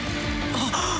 あっ！